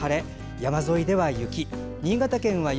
山沿いでは雪。